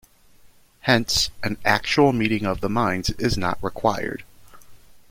Hence, an actual meeting of the minds is not required.